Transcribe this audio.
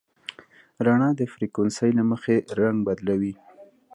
رڼا د فریکونسۍ له مخې رنګ بدلوي.